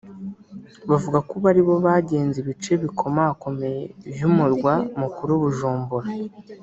bavuga ko ubu ari bo bagenze ibice bikomakomeye vy'umurwa mukuru Bujumbura